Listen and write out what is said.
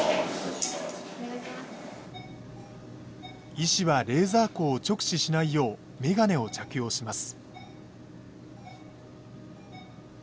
医師はレーザー光を直視しないよう眼鏡を着用します。